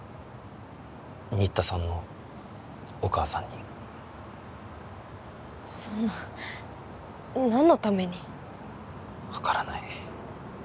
新田さんのお母さんにそんな何のために分からない